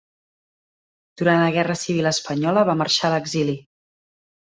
Durant la guerra civil espanyola va marxar a l'exili.